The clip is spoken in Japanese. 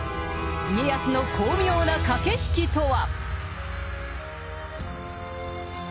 家康の巧妙な駆け引きとは。